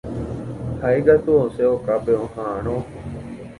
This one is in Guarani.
Ha'ékatu osẽ okápe oha'ãrõ.